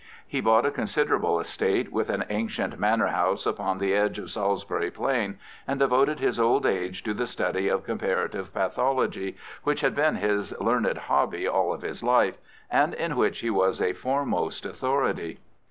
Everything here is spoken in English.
He bought a considerable estate with an ancient manor house upon the edge of Salisbury Plain, and devoted his old age to the study of Comparative Pathology, which had been his learned hobby all his life, and in which he was a foremost authority.